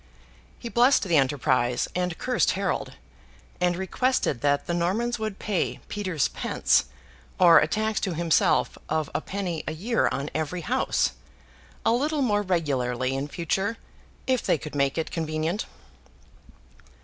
He blessed the enterprise; and cursed Harold; and requested that the Normans would pay 'Peter's Pence'—or a tax to himself of a penny a year on every house—a little more regularly in future, if they could make it convenient.